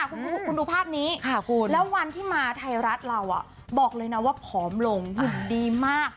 คุณดูภาพนี้แล้ววันที่มาไทยรัฐเราบอกเลยนะว่าผอมลงหุ่นดีมาก